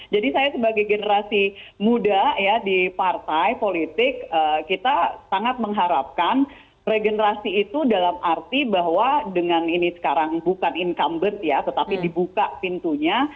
jadi saya sebagai generasi muda ya di partai politik kita sangat mengharapkan regenerasi itu dalam arti bahwa dengan ini sekarang bukan incumbent ya tetapi dibuka pintunya